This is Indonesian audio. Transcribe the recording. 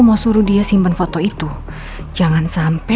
mau telepon apa mau buang sampah